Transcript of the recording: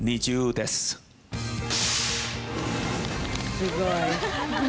すごい。